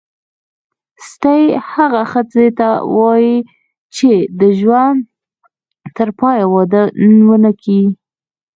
ستۍ هغه ښځي ته وايي چي د ژوند ترپایه واده ونه کي.